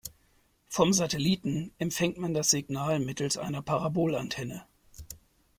Vom Satelliten empfängt man das Signal mittels einer Parabolantenne.